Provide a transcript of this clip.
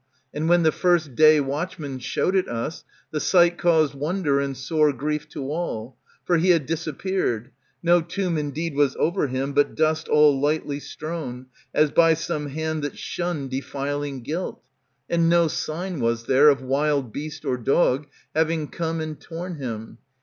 And when the first day watchman showed it us, The sight caused wonder and sore grief to all ; For he had disappeared : no tomb indeed Was over him, but dust all lightly strown, As by some hand that shunned defiling guilt ; And no sign was there of wild beast or dog Having come and torn him.